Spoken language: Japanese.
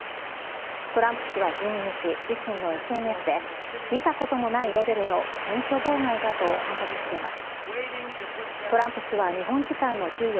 トランプ氏は１２日、自身のＳＮＳで、見たこともないレベルの選挙妨害だと反発しています。